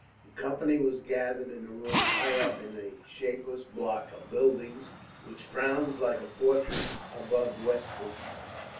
The company was gathered in a room high up in a shapeless block of buildings which frowns like a fortress above Westminster.